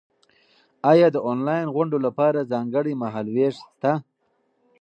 ایا د انلاین غونډو لپاره ځانګړی مهال وېش شته؟